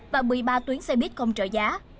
và một mươi ba tuyến xe buýt không trợ giá